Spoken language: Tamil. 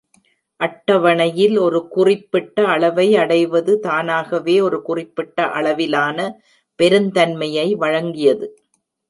அட்டவணையில் ஒரு குறிப்பிட்ட அளவை அடைவது தானாகவே ஒரு குறிப்பிட்ட அளவிலான பெருந்தன்மையை வழங்கியது.